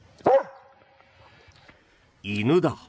犬だ。